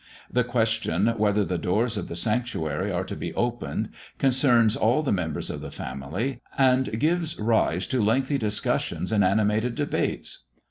The question whether the doors of the sanctuary are to be opened, concerns all the members of the family, and gives rise to lengthy discussions and animated debates.